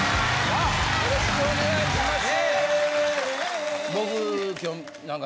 よろしくお願いします。